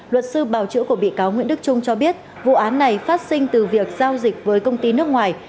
luật sư bào chữa của bị cáo nguyễn đức trung cho biết vụ án này phát sinh từ việc giao dịch với công ty nước ngoài